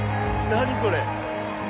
何これ。